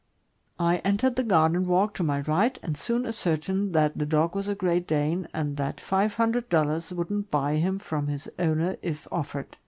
I entered the garden walk to my right, and soon ascertained that the dog was a Great Dane, and that five hundred dollars wouldn't buy him from his owner if offered.